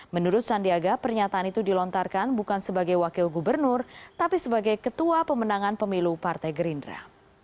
menurut sandiaga pernyataan itu dilontarkan bukan sebagai wakil gubernur tapi sebagai ketua pemenangan pemilu partai gerindra